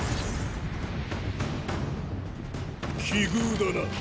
奇遇だな。